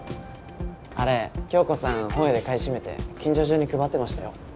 あれ響子さん本屋で買い占めて近所中に配ってましたよ